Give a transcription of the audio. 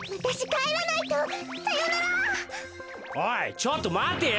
ちょっとまてよ！